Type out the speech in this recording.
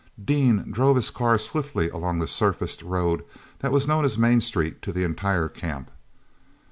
Dean drove his car swiftly along the surfaced road that was known as "Main Street" to the entire camp.